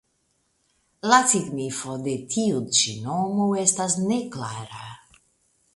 La signifo de tiu ĉi nomo estas neklara.